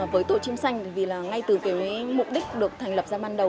với tổ chim xanh vì là ngay từ cái mục đích được thành lập ra ban đầu